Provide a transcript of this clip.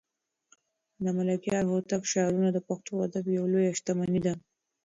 د ملکیار هوتک شعرونه د پښتو ادب یوه لویه شتمني ده.